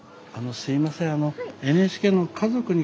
すいません。